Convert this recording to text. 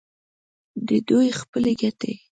یا دوی خپلې ګټې